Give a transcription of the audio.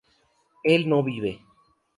él no vive